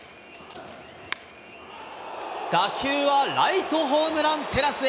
打球はライトホームランテラスへ。